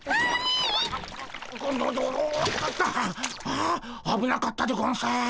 ああぶなかったでゴンス。